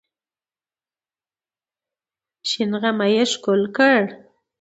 شنه غمی یې ښکل کړ.